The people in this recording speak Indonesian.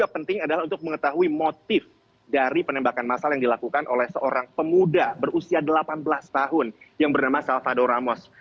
melalui motif dari penembakan masal yang dilakukan oleh seorang pemuda berusia delapan belas tahun yang bernama salvador ramos